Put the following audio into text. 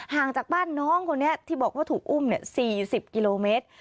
ห่างจากบ้านน้องคนนี้ที่บอกว่าถูกอุ้ม๔๐กิโลเมตร